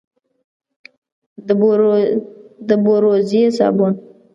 د بوروزې صابون،